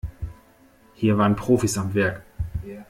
Hier waren Profis am Werk.